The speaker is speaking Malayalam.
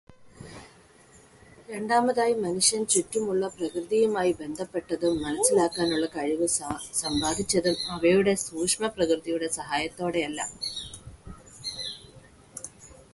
രണ്ടാമതായി മനുഷ്യൻ ചുറ്റുമുള്ള പ്രകൃതിയുമായി ബന്ധപ്പെട്ടതും മനസിലാക്കാനുള്ള കഴിവ് സമ്പാദിച്ചതും അവയുടെ സൂക്ഷ്മപ്രകൃതിയുടെ സഹായത്തോടെയല്ല.